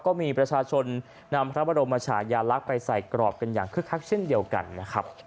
ก็มีประชาชนนำพระบรมชายาลักษณ์ไปใส่กรอบกันอย่างคึกคักเช่นเดียวกันนะครับ